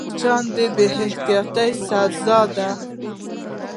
مچان د بې احتیاطۍ سزا ده